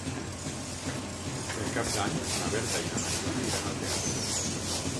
Per Cap d'Any na Berta i na Mariona iran al teatre.